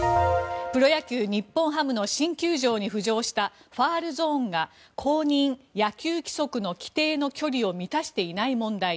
プロ野球、日本ハムの新球場に浮上したファウルゾーンが公認野球規則の規定の距離を満たしていない問題。